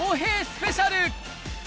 スペシャル